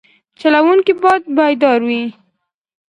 چلوونکی باید بیدار وي.